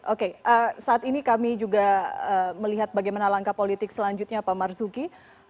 oke saat ini kami juga melihat bagaimana langkah politik selanjutnya pak marzuki